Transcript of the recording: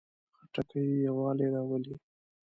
خټکی یووالی راولي.